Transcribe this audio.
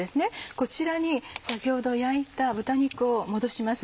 こちらに先ほど焼いた豚肉を戻します。